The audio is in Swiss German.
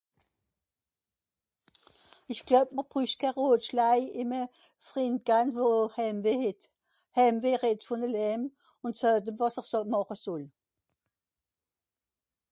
isch glueb mr brüsch keh Ròtschlaï ìm à Frìnd gahn wò Heim weh het... ùn sàat'm wàs'r sòt màche sòll